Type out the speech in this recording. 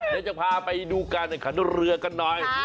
เดี๋ยวจะพาไปดูการแข่งขันเรือกันหน่อย